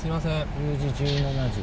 １０時１７時。